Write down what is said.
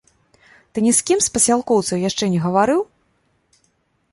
Ты ні з кім з пасялкоўцаў яшчэ не гаварыў?